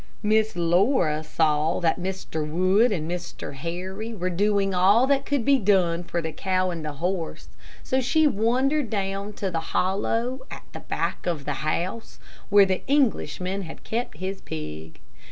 Miss Laura saw that Mr. Wood and Mr. Harry were doing all that could be done for the cow and horse, so she wandered down to a hollow at the back of the house, where the Englishman had kept his pig.